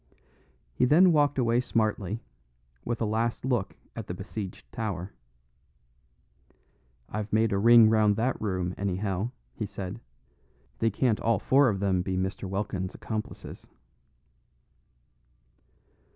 He then walked away smartly, with a last look at the besieged tower. "I've made a ring round that room, anyhow," he said. "They can't all four of them be Mr. Welkin's accomplices."